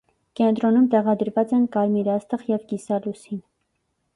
Կենտրոնում տեղադրված են կարմիր աստղ և կիսալուսին։